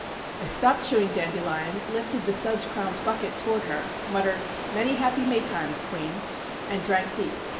I stopped chewing dandelion, lifted the suds crowned bucket toward her, muttered "Many happy Maytimes, Queen," and drank deep.